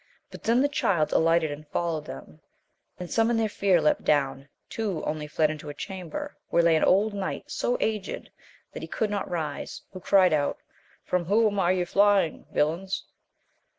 But then the Child alighted and fol lowed them, and some in their fear leapt down, two only fled into a chamber, where lay an old knight, so aged that he could not rise, who cried out. From whom are ye flying, villains